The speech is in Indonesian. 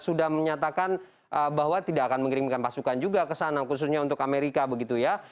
sudah menyatakan bahwa tidak akan mengirimkan pasukan juga ke sana khususnya untuk amerika begitu ya